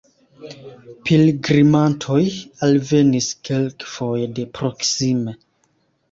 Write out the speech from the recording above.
Pilgrimantoj alvenis, kelkfoje de proksime.